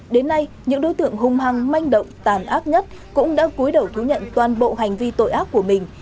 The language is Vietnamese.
đến nay những đối tượng hung hăng manh động tàn ác nhất cũng đã cuối đầu thú nhận toàn bộ hành vi tội ác của mình